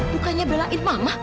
bukannya belain mama